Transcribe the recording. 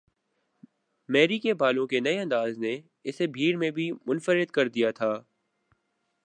میری کے بالوں کے نئے انداز نے اسے بھیڑ میں بھی منفرد کر دیا تھا۔